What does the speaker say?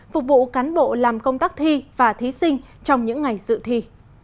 phục vụ cán bộ làm công tác thi và thí sinh trong những ngày dự thi